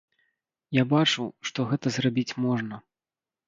Я бачу, што гэта зрабіць можна.